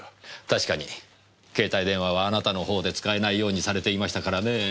確かに携帯電話はあなたの方で使えないようにされていましたからねえ。